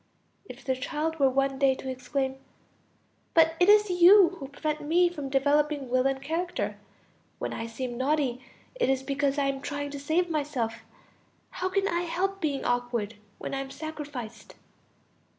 If the child were one day to exclaim: "But it is you who prevent me from developing will and character; when I seem naughty, it is because I am trying to save myself; how can I help being awkward when I am sacrificed?"